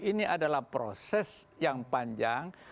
ini adalah proses yang panjang